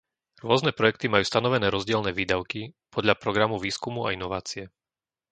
Rôzne projekty majú stanovené rozdielne výdavky podľa programu výskumu a inovácie.